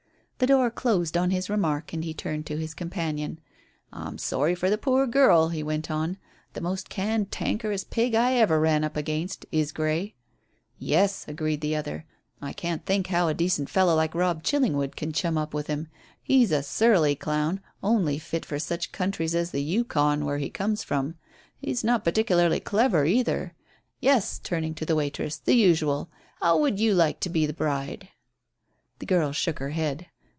The door closed on his remark and he turned to his companion. "I'm sorry for the poor girl," he went on. "The most can tankerous pig I ever ran up against is Grey." "Yes," agreed the other; "I can't think how a decent fellow like Robb Chillingwood can chum up with him. He's a surly clown only fit for such countries as the Yukon, where he comes from. He's not particularly clever either. Yes," turning to the waitress, "the usual. How would you like to be the bride?" The girl shook her head.